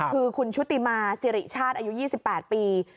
คือคุณชุติมาสิริชาติอายุ๒๘ปี